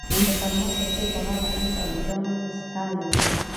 د فرمان رسۍ په غاړه انس او جان ستا لري.